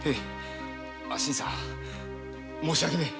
新さん申し訳ねえ。